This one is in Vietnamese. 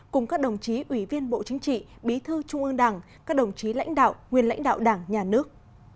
cùng các đồng chí ủy viên bộ chính trị bí thư trung ương đảng các đồng chí lãnh đạo nguyên lãnh đạo đảng nhà nước